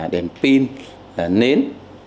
đèn pin nến